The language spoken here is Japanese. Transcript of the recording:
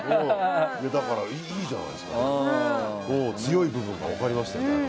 だからいいじゃないですか強い部分が分かりましたよ。